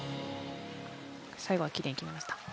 最後はきれいに決まりました。